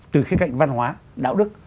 từ cái cạnh văn hóa đạo đức